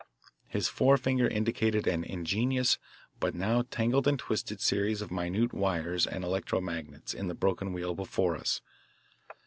His forefinger indicated an ingenious, but now tangled and twisted, series of minute wires and electro magnets in the broken wheel before us.